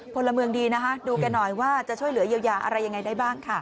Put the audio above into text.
พลเมืองดีนะคะดูแกหน่อยว่าจะช่วยเหลือเยียวยาอะไรยังไงได้บ้างค่ะ